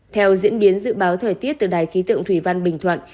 theo diễn biến dự báo thời tiết từ đài khí tượng thủy văn bình thuận